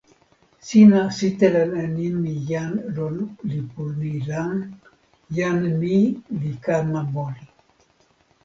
sina sitelen e nimi jan lon lipu ni la, jan ni li kama moli.